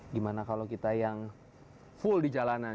gimana kalau kita yang full di jalanan